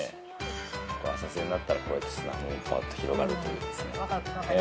浅瀬になったらこうやって砂浜がぱっと広がるという。